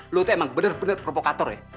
lo itu emang bener bener provokator ya